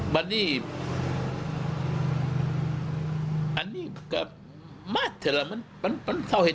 บันนี้อันนี้ก็มาดเฉยมันเจาะเท่าดี